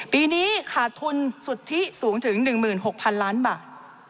ปีนี้ขาดทุนสุทธิสูงถึง๑๖๐๐๐ล้านบาท